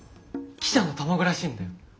記者の卵らしいんだよ。